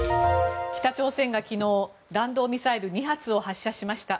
北朝鮮が昨日弾道ミサイル２発を発射しました。